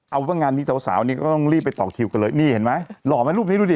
เอาว่างานนี้สาวนี่ก็ต้องรีบไปต่อคิวกันเลยนี่เห็นไหมหล่อไหมรูปนี้ดูดิ